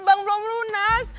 bang belum lunas